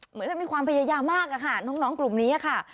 เหมือนจะมีความพยายามมากอะค่ะน้องกลุ่มนี้ค่ะ